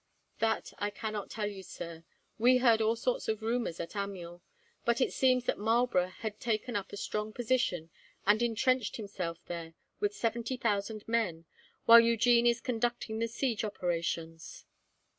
"That I cannot tell you, sir. We heard all sorts of rumours at Amiens, but it seems that Marlborough had taken up a strong position, and entrenched himself there with seventy thousand men, while Eugene is conducting the siege operations."